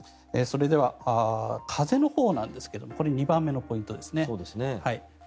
それでは風のほうなんですがこれ、２番目のポイントですね。